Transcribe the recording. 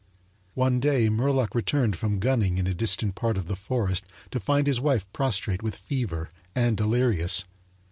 One day Murlock returned from gunning in a distant part of the forest to find his wife prostrate with fever, and delirious.